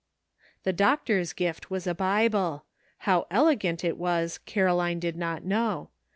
The doctor's gift was a Bible. How elegant it was Caroline did not know.